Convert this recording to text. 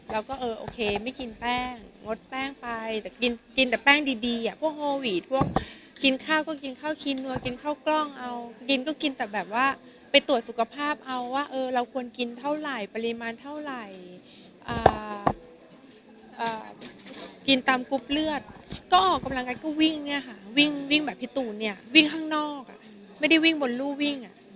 เออโอเคไม่กินแป้งงดแป้งไปแต่กินแต่แป้งดีพวกโฮวีดพวกกินข้าวก็กินข้าวกินนัวกินข้าวกล้องเอากินก็กินแต่แบบว่าไปตรวจสุขภาพเอาว่าเราควรกินเท่าไหร่ปริมาณเท่าไหร่กินตามกรุ๊ปเลือดก็ออกกำลังกันก็วิ่งเนี่ยค่ะวิ่งแบบพี่ตูนเนี่ยวิ่งข้างนอกไม่ได้วิ่งบนรูวิ่ง